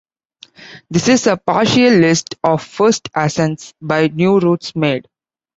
This is a partial list of first ascents by new routes made.